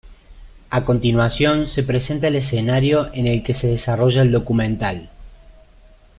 A continuación, se presenta el escenario en el que se desarrolla el documental.